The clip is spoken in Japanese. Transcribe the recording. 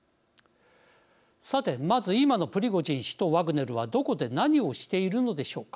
さてまず今のプリゴジン氏とワグネルはどこで何をしているのでしょうか。